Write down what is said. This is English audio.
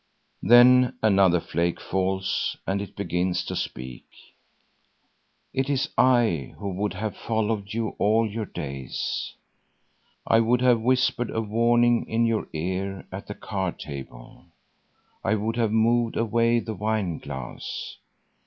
Then another flake falls and it begins to speak: "It is I who would have followed you all your days. I would have whispered a warning in your ear at the card table. I would have moved away the wineglass.